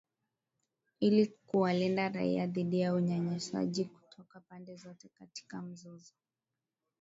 ili kuwalinda raia dhidi ya unyanyasaji kutoka pande zote katika mzozo